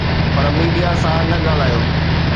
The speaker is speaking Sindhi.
پر ميڊيا سان نه ڳالهايو